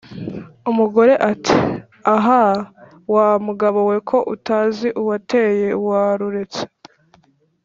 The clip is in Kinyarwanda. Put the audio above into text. " Umugore ati: "Ahaaa! wa mugabo we ko utazi uwateye waruretse